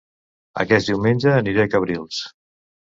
Aquest diumenge aniré a Cabrils